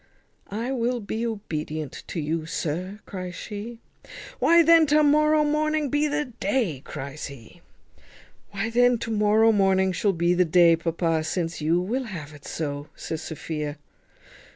"I will be obedient to you, sir," cries she. "Why then to morrow morning be the day," cries he. "Why then to morrow morning shall be the day, papa, since you will have it so," says Sophia.